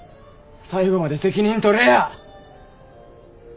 最後まで責任とれや！